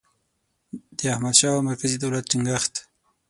د احمدشاه او د مرکزي دولت ټینګیښت